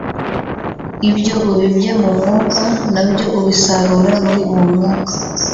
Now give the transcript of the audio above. ibyo ubibye mu mwuka na byo ubisarura muri uwo mwuka